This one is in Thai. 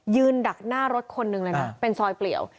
ยืนดักหน้ารถคนนึงนะเป็นซอยเปลี่ยว